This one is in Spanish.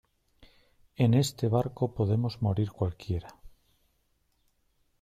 en este barco podemos morir cualquiera